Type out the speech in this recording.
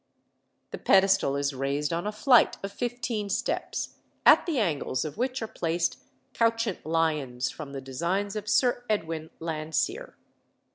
The pedestal is raised on a flight of fifteen steps, at the angles of which are placed couchant lions from the designs of Sir Edwin Landseer.